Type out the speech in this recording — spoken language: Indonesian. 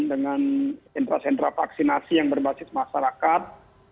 dengan intrasentra vaksinasi yang berbasis masyarakat